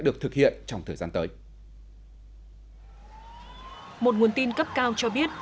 được thực hiện trong thời gian tới một nguồn tin cấp cao cho biết